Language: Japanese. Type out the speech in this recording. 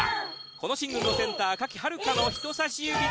このシングルのセンター賀喜遥香の人さし指で。